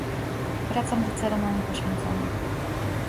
"Wracam do ceremonii poświęcenia."